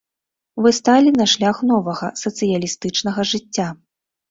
Вы сталі на шлях новага, сацыялістычнага жыцця.